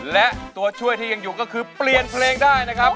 และตัวช่วยที่ยังอยู่ก็คือเปลี่ยนเพลงได้นะครับ